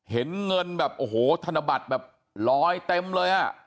เห็นเงินแบบโอ้โหธนบัตรแบบลอยเต็มเลยอ่ะ